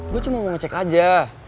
gue cuma mau ngecek aja